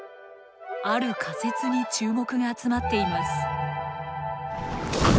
ある仮説に注目が集まっています。